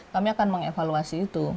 kami akan mengevaluasi itu